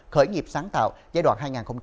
khởi nghiệp sáng tạo giai đoạn